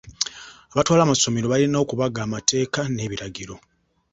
Abatwala essomero balina okubaga amateeka n'ebiragiro.